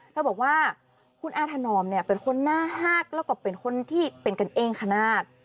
เธอบอกว่าคุณอาถนอมเนี่ยเป็นคนหน้าฮากแล้วก็เป็นคนที่เป็นกันเองขนาด